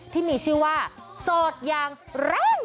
ที่มีชื่อว่าโสดยังริ้ง